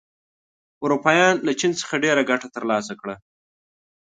اروپایان له چین څخه ډېره ګټه تر لاسه کړه.